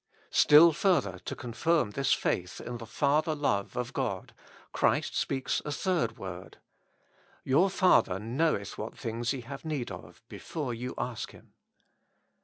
Still further to confirm this faith in the Father love of God, Christ speaks a third word :" Your Father knoweth what thmgs ye have need of bcfoj'e ye ask Him.''